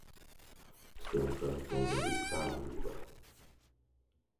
Santo Antônio de Pádua